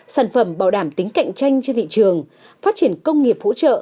sản phẩm bảo đảm tính cạnh tranh trên thị trường phát triển công nghiệp hỗ trợ